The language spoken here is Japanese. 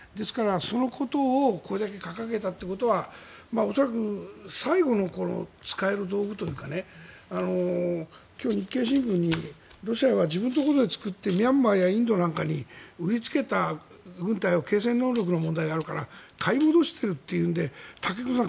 そのことをこれだけ掲げたということは恐らく最後の使える道具というか今日、日経新聞にロシアが自分のところで作ってミャンマーやインドなんかに植えつけた軍隊を継戦能力の問題があるから買い戻しているというので武隈さん